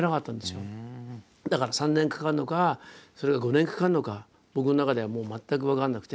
だから３年かかるのかそれが５年かかるのか僕の中ではもう全く分からなくて。